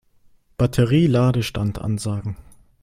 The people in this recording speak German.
Batterie-Ladestand ansagen.